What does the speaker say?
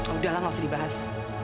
udahlah nggak usah dibahas